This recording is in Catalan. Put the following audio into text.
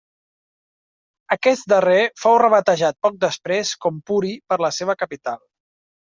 Aquest darrer fou rebatejat poc després com Puri per la seva capital.